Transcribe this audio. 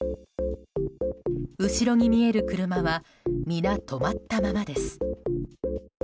後ろに見える車は皆、止まったままです。